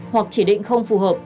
hoặc chỉ định không phù hợp